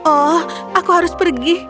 oh aku harus pergi